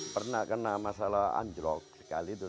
pernah kena masalah anjlok sekali itu